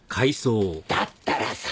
だったらさ。